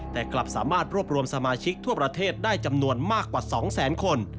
แต่กลับสามารถรวบรวมสมาชิกทั่วประเทศได้จำนวนมากกว่า๒แสนคน